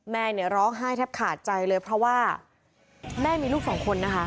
แม่เนี่ยร้องไห้แทบขาดใจเลยเพราะว่าแม่มีลูกสองคนนะคะ